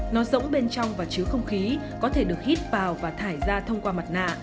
nó rỗng bên trong và chứa không khí có thể được hít vào và thải ra thông qua mặt nạ